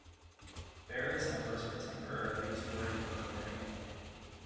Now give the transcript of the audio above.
Various members were temporary, touring or recording only.